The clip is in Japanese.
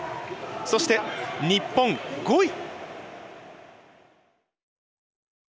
そして日本５位。